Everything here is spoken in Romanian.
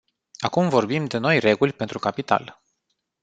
Acum vorbim de noi reguli pentru capital.